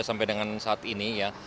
sampai dengan saat ini ya